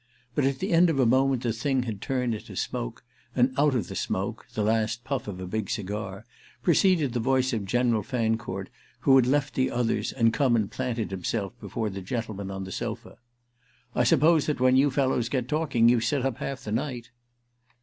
But at the end of a moment the thing had turned into smoke, and out of the smoke—the last puff of a big cigar—proceeded the voice of General Fancourt, who had left the others and come and planted himself before the gentlemen on the sofa. "I suppose that when you fellows get talking you sit up half the night."